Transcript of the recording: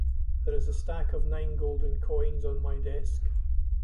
There is a stack of nine golden coins on my desk.